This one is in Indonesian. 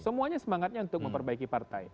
semuanya semangatnya untuk memperbaiki partai